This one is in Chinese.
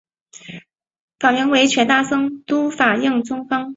法名为权大僧都法印宗方。